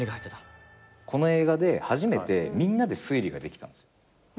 この映画で初めてみんなで推理ができたんですよ。